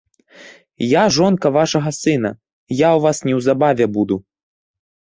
Я жонка вашага сына, я ў вас неўзабаве буду.